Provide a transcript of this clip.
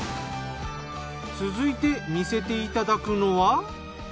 続いて見せていただくのは。